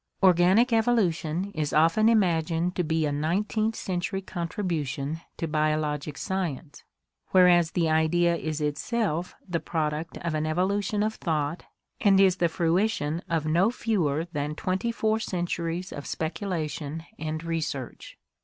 — Organic Evolution is often imagined to be a nineteenth century contribution to biologic science, whereas the idea is itself the product of an evolution of thought and is the fruition of no fewer than twenty four centuries of speculation and research.